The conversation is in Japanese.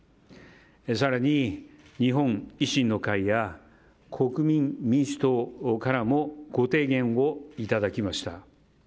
更に、日本維新の会や国民民主党からもご提言をいただきました。